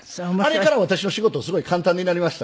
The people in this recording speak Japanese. あれから私の仕事すごい簡単になりました。